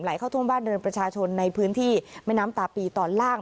เข้าท่วมบ้านเรือนประชาชนในพื้นที่แม่น้ำตาปีตอนล่าง